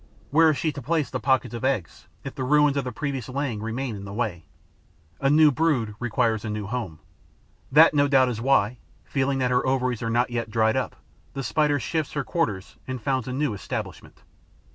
Where is she to place the pockets of eggs, if the ruins of the previous laying remain in the way? A new brood requires a new home. That, no doubt, is why, feeling that her ovaries are not yet dried up, the Spider shifts her quarters and founds a new establishment.